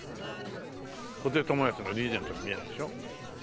布袋寅泰のリーゼントに見えるでしょ？